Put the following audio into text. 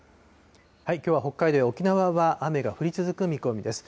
きょうは北海道や沖縄は、雨が降り続く見込みです。